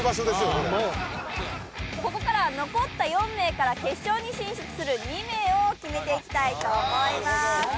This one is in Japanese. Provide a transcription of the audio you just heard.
これここからは残った４名から決勝に進出する２名を決めていきたいと思いますよっしゃ！